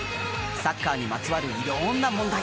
サッカーにまつわる色んな問題！